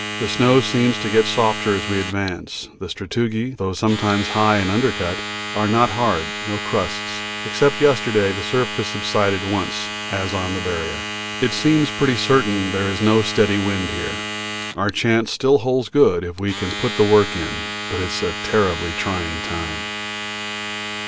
The snow seems to get softer as we advance; the sastrugi, though sometimes high and undercut, are not hard no crusts, except yesterday the surface subsided once, as on the Barrier. It seems pretty certain there is no steady wind here. Our chance still holds good if we can put the work in, but it's a terribly trying time.